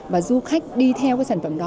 và du khách đi theo cái sản phẩm đó